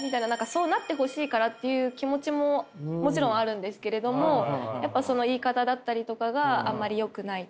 そうなってほしいからっていう気持ちももちろんあるんですけれどもやっぱその言い方だったりとかがあんまりよくないっていう。